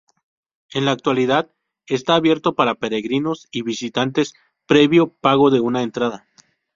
En la actualidad, está abierto para peregrinos y visitantes, previo pago de una entrada.